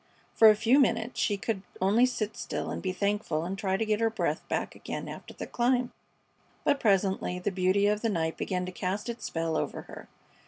For a few minutes she could only sit still and be thankful and try to get her breath back again after the climb; but presently the beauty of the night began to cast its spell over her.